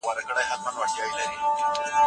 لومړۍ مسوده تر وروستۍ هغې مهمه ده.